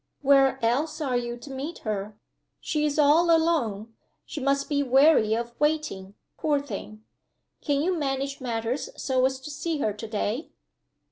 Where else are you to meet her? She is all alone; she must be weary of waiting, poor thing. Can you manage matters so as to see her to day?"